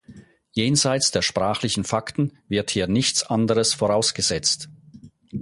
Jenseits der sprachlichen Fakten wird hier nichts anderes vorausgesetzt.